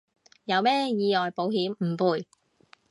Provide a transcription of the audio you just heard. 有咩意外保險唔賠